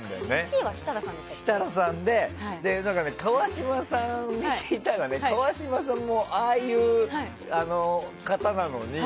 １位がは設楽さんで川島さんに聞いたら川島さんも、ああいう方なのに。